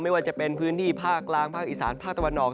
ไม่ว่าจะเป็นพื้นที่ภาคกลางภาคอีสานภาคตะวันออก